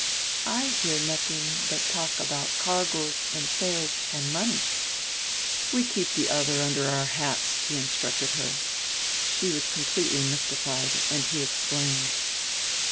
"I hear nothing but talk about cargoes and sales and money." "We keep the other under our hats," he instructed her. She was completely mystified, and he explained.